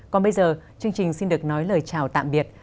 còn bây giờ chương trình xin được nói lời chào tạm biệt